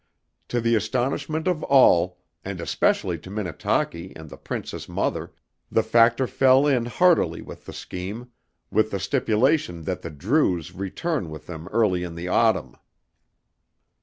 To the astonishment of all, and especially to Minnetaki and the princess mother, the factor fell in heartily with the scheme, with the stipulation that the Drews return with them early in the autumn.